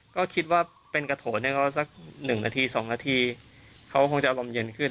ก็คิดว่าเป็นกระโถเนี่ยก็สัก๑นาที๒นาทีเขาคงจะอารมณ์เย็นขึ้น